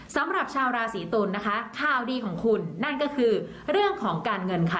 สำหรับชาวราศีตุลนะคะข่าวดีของคุณนั่นก็คือเรื่องของการเงินค่ะ